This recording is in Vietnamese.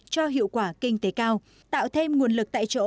cho hiệu quả kinh tế cao tạo thêm nguồn lực tại chỗ